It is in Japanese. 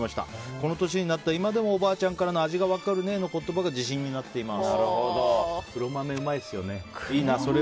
この年になった今でもおばあちゃんからの味が分かるねの言葉が自信になっています。